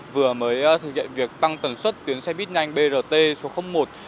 vừa mới thực hiện việc tăng tần suất tuyến xe bít nhanh brt số một